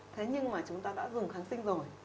thế nhưng mà chúng ta đã dùng kháng sinh rồi